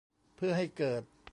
เพื่อให้เกิด